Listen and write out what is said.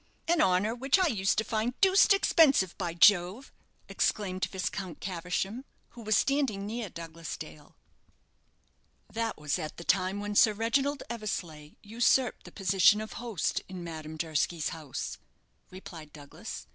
"An honour which I used to find deuced expensive, by Jove!" exclaimed Viscount Caversham, who was standing near Douglas Dale. "That was at the time when Sir Reginald Eversleigh usurped the position of host in Madame Durski's house," replied Douglas.